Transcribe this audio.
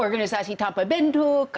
organisasi tanpa bentuk